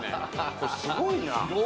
これ、すごいな。